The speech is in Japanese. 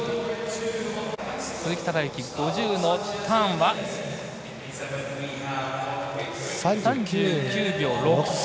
鈴木孝幸、５０のターンは３９秒６３。